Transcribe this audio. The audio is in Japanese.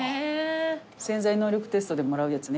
『潜在能力テスト』でもらうやつね。